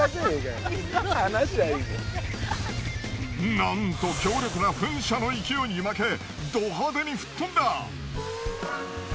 なんと強力な噴射の勢いに負けド派手に吹っ飛んだ。